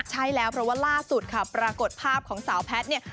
ใช่แล้วเพราะว่าล่าสุดค่ะปรากฏภาพของสาวแพทย์เนี่ย